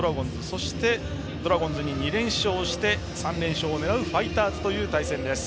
そして、ドラゴンズに２連勝して３連勝を狙うファイターズという対戦です。